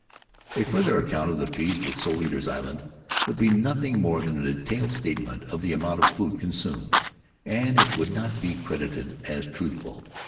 A further account of the feast at Soul Eaters' Island would be nothing more than a detailed statement of the amount of food consumed, and it would not be credited as truthful.